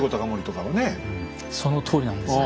そのとおりなんです。